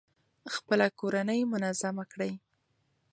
خپله کورنۍ منظمه کړئ.